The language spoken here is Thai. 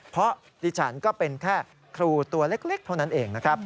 เพราะดิฉันก็เป็นแค่ครูตัวเล็กเท่านั้นเองนะครับ